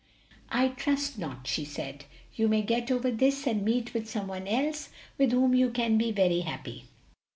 "I trust not," she said; "you may get over this and meet with some one else with whom you can be very happy."